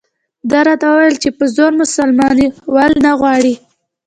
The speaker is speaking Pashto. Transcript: ده راته وویل چې په زور مسلمانول نه غواړي.